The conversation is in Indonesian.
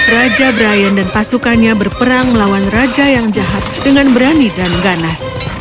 raja brian dan pasukannya berperang melawan raja yang jahat dengan berani dan ganas